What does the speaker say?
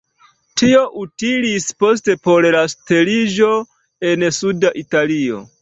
Tio utilis poste por la surteriĝo en suda Italio.